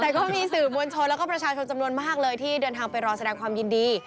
แต่ก็มีสื่อมวลชนแล้วก็ประชาชนจำนวนมากเลยที่เดินทางไปรอแสดงความยินดี